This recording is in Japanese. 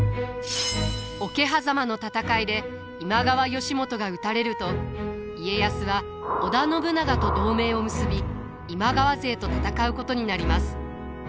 桶狭間の戦いで今川義元が討たれると家康は織田信長と同盟を結び今川勢と戦うことになります。